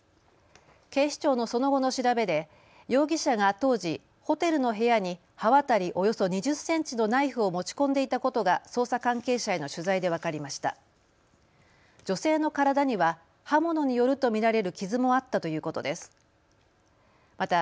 警視庁のその後の調べで容疑者が当時、ホテルの部屋に刃渡りおよそ２０センチのナイフを持ち込んでいたことが捜査関係者への取材で分かりました。